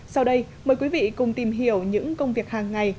sau đây mời quý vị cùng tìm hiểu những công việc hàng ngày